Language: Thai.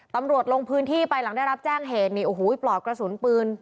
ลงพื้นที่ไปหลังได้รับแจ้งเหตุนี่โอ้โหปลอกกระสุนปืน